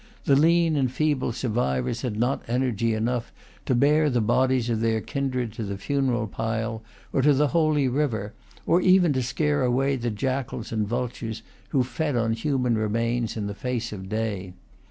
The lean and feeble survivors had not energy enough to bear the bodies of their kindred to the funeral pile or to the holy river, or even to scare away the jackals and vultures, who fed on human remains in the face of day.